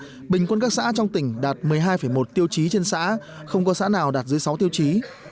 bình quân các xã trong tỉnh đạt một mươi hai một tiêu chí trên xã không có xã nào đạt dưới sáu tiêu chí